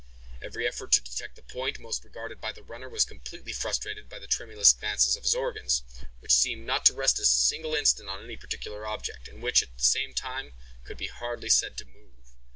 Every effort to detect the point most regarded by the runner was completely frustrated by the tremulous glances of his organs, which seemed not to rest a single instant on any particular object, and which, at the same time, could be hardly said to move.